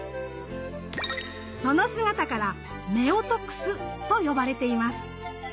その姿から「夫婦楠」と呼ばれています。